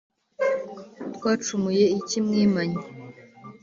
Twacumuye iki mwimanyi